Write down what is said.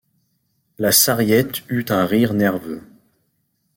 La Sarriette eut un rire nerveux.